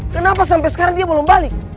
kenapa sampai sekarang dia belum balik